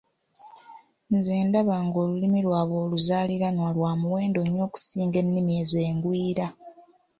Nze ndaba ng'olulimi lwabwe oluzaaliranwa lwa muwendo nnyo okusinga ennimi ezo engwira.